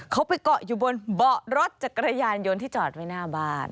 เขาไปเกาะอยู่บนเบาะรถจักรยานยนต์ที่จอดไว้หน้าบ้าน